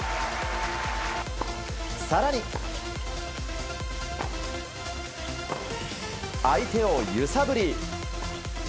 更に、相手を揺さぶり。